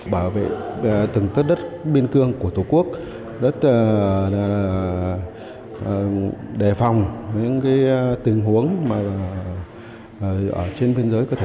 bảo vệ từng tất đất biên cương của tổ quốc đất đề phòng những tình huống trên biên giới